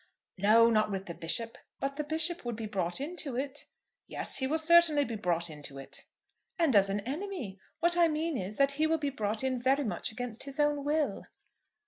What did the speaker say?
"No, not with the Bishop." "But the Bishop would be brought into it?" "Yes; he will certainly be brought into it." "And as an enemy. What I mean is, that he will be brought in very much against his own will."